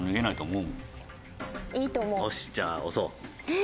よしじゃあ押そう。え。